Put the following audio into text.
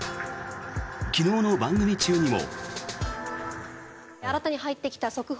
昨日の番組中にも。